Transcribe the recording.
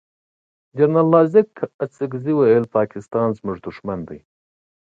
جنرال عبدلرازق اڅګزی وویل پاکستان زمونږ دوښمن دی.